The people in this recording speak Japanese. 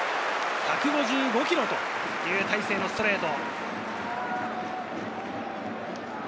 １５５キロという大勢のストレート。